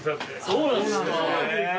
そうなんですよ。